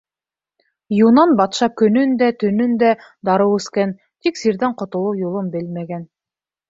Юнан батша көнөн дә, төтөн дә дарыу эскән, тик сирҙән ҡотолоу юлын белмәгән.